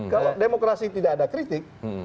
kalau demokrasi tidak ada kritik